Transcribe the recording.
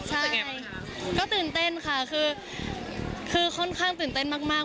ใช่ก็ตื่นเต้นค่ะคือค่อนข้างตื่นเต้นมาก